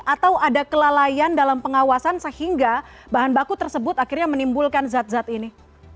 atau ada kelalaian dalam pengawasan sehingga bahan baku tersebut akhirnya menimbulkan zat zat ini